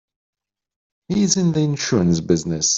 He's in the insurance business.